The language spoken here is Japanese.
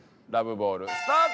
ボールスタート！